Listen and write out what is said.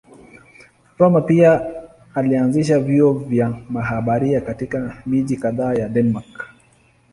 Rømer pia alianzisha vyuo kwa mabaharia katika miji kadhaa ya Denmark.